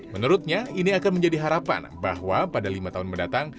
menurutnya ini akan menjadi harapan bahwa pada lima tahun mendatang